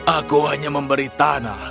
aku hanya memberi tanah